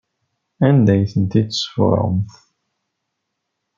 Anda ay ten-id-tesfuṛemt?